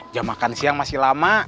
jam makan siang masih lama